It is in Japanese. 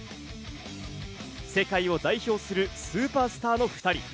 世界を代表するスーパースターの２人。